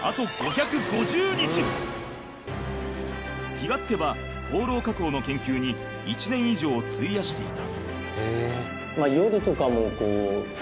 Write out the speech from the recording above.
気が付けばホーロー加工の研究に１年以上費やしていた。